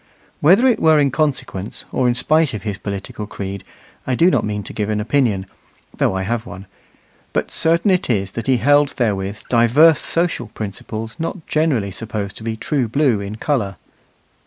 Whether it were in consequence or in spite of his political creed, I do not mean to give an opinion, though I have one; but certain it is that he held therewith divers social principles not generally supposed to be true blue in colour.